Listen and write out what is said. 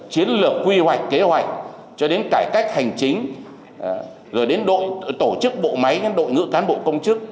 chiến lược quy hoạch kế hoạch cho đến cải cách hành chính rồi đến đội tổ chức bộ máy đến đội ngũ cán bộ công chức